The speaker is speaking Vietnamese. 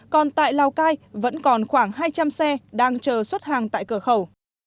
còn tại lào cai vẫn còn khoảng hai trăm linh xe đang chờ xuất hàng tại cửa khẩu